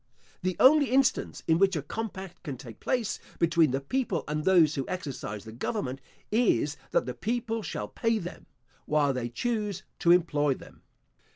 The only instance in which a compact can take place between the people and those who exercise the government, is, that the people shall pay them, while they choose to employ them.